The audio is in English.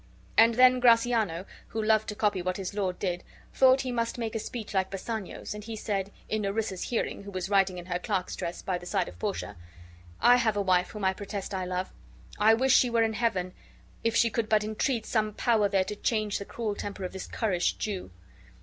And then Gratiano, who loved to copy what his lord did, thought he must make a speech like Bassanio's, and he said, in Nerissa's hearing, who was writing in her clerk's dress by the side of Portia: "I have a wife whom I protest I love. I wish she were in heaven if she could but entreat some power there to change the cruel temper of this currish Jew."